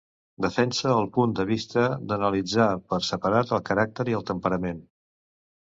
Defense el punt de vista d'analitzar per separat el caràcter i el temperament.